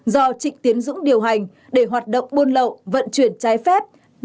do trịnh tiến dũng điều hành để hoạt động buôn lậu vận chuyển trái phép